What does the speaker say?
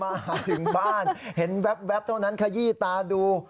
มาถึงบ้านเห็นแว๊บเท่านั้นขยี้ตาดู